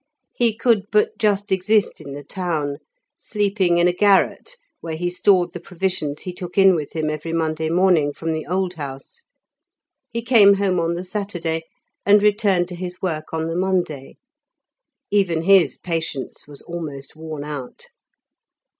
He could but just exist in the town, sleeping in a garret, where he stored the provisions he took in with him every Monday morning from the Old House. He came home on the Saturday and returned to his work on the Monday. Even his patience was almost worn out.